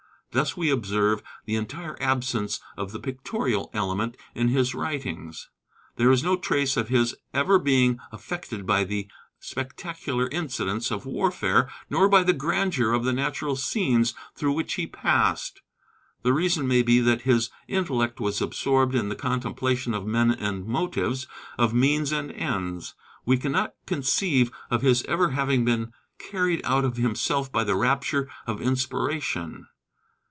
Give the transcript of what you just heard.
Thus we observe the entire absence of the pictorial element in his writings. There is no trace of his ever being affected by the spectacular incidents of warfare nor by the grandeur of the natural scenes through which he passed. The reason may be that his intellect was absorbed in the contemplation of men and motives, of means and ends. We cannot conceive of his ever having been carried out of himself by the rapture of inspiration.